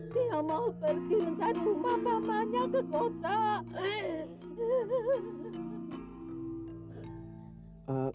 dia mau pergi rumah pamahnya ke kota